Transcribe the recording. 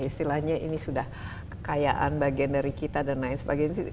istilahnya ini sudah kekayaan bagian dari kita dan lain sebagainya